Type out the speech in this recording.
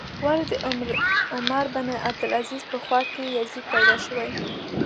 ولې د عمر بن عبدالعزیز په خوا کې یزید پیدا شوی.